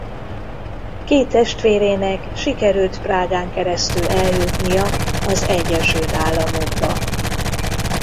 Két testvérének sikerült Prágán keresztül eljutnia az Egyesült Államokba.